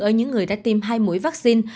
ở những người đã tiêm hai mũi vaccine